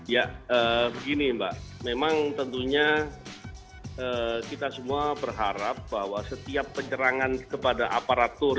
ya begini mbak memang tentunya kita semua berharap bahwa setiap penyerangan kepada aparatur